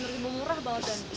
rp satu murah bahkan